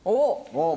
おっ！